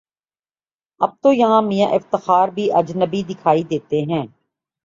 اب تویہاں میاں افتخار بھی اجنبی دکھائی دیتے ہیں۔